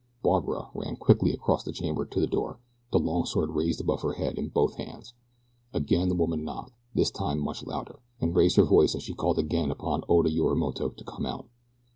Barbara ran quickly across the chamber to the door, the long sword raised above her head in both hands. Again the woman knocked, this time much louder, and raised her voice as she called again upon Oda Yorimoto to come out.